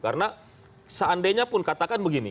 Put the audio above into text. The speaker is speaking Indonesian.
karena seandainya pun katakan begini